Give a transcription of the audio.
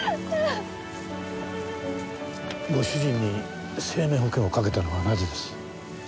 ご主人に生命保険をかけたのはなぜです？